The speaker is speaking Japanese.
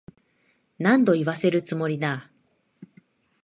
何度言わせるつもりだ。